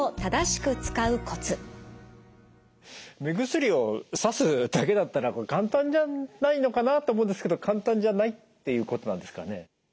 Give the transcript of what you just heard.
目薬をさすだけだったら簡単じゃないのかなと思うんですけど簡単じゃないっていうことなんですかね？